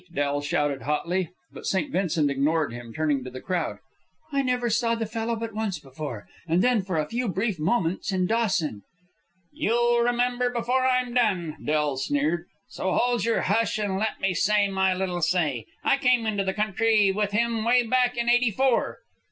Del shouted, hotly. But St. Vincent ignored him, turning to the crowd. "I never saw the fellow but once before, and then for a few brief moments in Dawson." "You'll remember before I'm done," Del sneered; "so hold your hush and let me say my little say. I come into the country with him way back in '84." St.